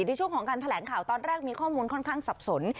ในช่วงของการแถลงข่าวตอนแรกมีข้อมูลค่อนข้างสับสน